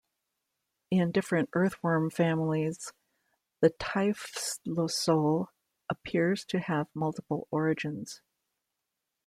In different earthworm families, the typhlosole appears to have multiple origins.